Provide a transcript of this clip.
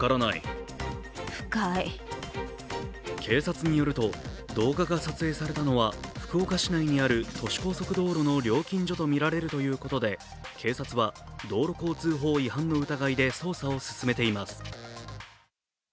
警察によると動画が撮影されたのは福岡市内にある都市高速道路の料金所とみられるということで警察は道路交通法違反の疑いで捜査を進めています。